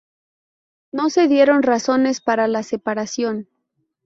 No se dieron razones para la separación.